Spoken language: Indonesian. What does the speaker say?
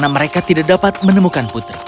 karena mereka tidak dapat menemukan putri